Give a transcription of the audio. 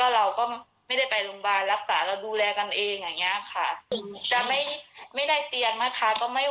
เราก็ไม่ได้ไปโรงพยาบาลรักษาเราดูแลกันเองอย่างนี้ค่ะ